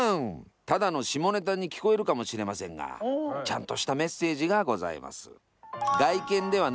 ただの下ネタに聞こえるかもしれませんがちゃんとしたメッセージがございます。